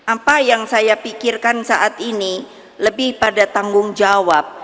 apa yang saya pikirkan saat ini lebih pada tanggung jawab